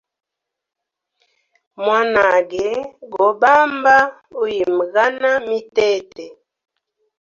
Mwanage go bamba uyimgana mitete.